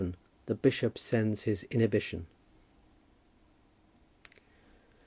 THE BISHOP SENDS HIS INHIBITION.